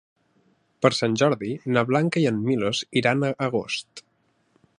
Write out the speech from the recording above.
Per Sant Jordi na Blanca i en Milos iran a Agost.